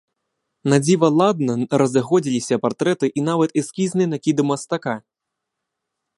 Надзіва ладна разыходзіліся партрэты і нават эскізныя накіды мастака.